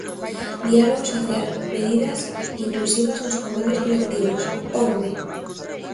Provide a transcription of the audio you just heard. Diálogo social, medidas inclusivas nos convenios colectivos, ¿onde.